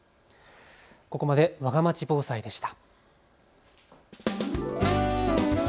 ここまでわがまち防災でした。